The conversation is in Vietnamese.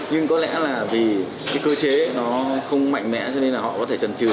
nhưng có lẽ là vì cái cơ chế nó không mạnh mẽ cho nên là họ có thể trần trừ